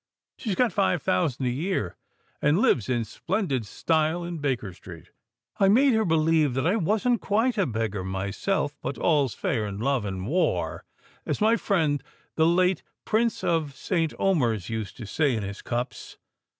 She's got five thousand a year, and lives in splendid style in Baker Street. I made her believe that I wasn't quite a beggar myself: but all's fair in love and war, as my friend the late Prince of St. Omers used to say in his cups.